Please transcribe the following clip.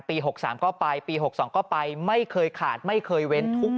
ปี๖๕วันเกิดปี๖๔ไปร่วมงานเช่นเดียวกัน